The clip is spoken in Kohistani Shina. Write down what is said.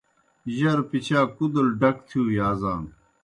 جروْ پِچا کُدل ڈک تِھیؤ یازانوْ۔